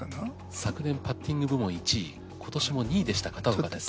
昨年パッティング部門１位今年も２位でした片岡です。